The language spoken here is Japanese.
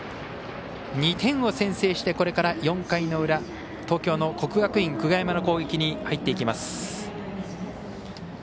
２点を先制してこれから４回の裏東京の国学院久我山の攻撃に入っていきます。